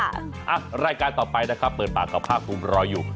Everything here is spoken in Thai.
อ่ะรายการต่อไปนะครับเปิดปากกับภาคภูมิรออยู่